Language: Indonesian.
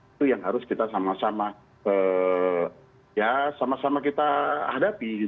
itu yang harus kita sama sama ya sama sama kita hadapi